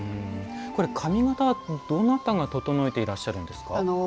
髪型はどなたが整えてらっしゃるんですか。